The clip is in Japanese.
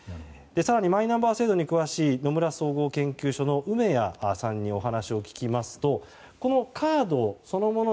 更に、マイナンバー制度に詳しい野村総合研究所の梅屋さんにお話を聞きますとこのカードそのもの